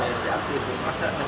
oleh sebab itu kita berharap